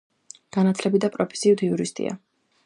განათლებით და პროფესიით იურისტია.